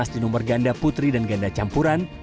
di nomor ganda putri dan ganda campuran